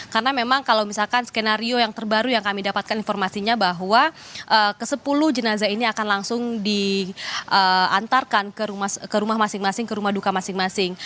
karena memang kalau misalkan skenario yang terbaru yang kami dapatkan informasinya bahwa ke sepuluh jenazah ini akan langsung diantarkan ke rumah masing masing ke rumah duka masing masing